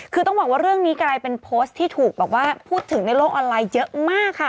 คือต้องบอกว่าเรื่องนี้กลายเป็นโพสต์ที่ถูกแบบว่าพูดถึงในโลกออนไลน์เยอะมากค่ะ